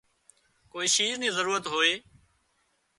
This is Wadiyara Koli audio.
ڪوئي شيِز نِي ضرورت هوئي